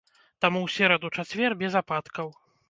Таму ў сераду-чацвер без ападкаў.